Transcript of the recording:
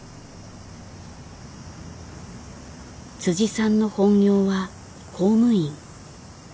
さんの本業は公務員。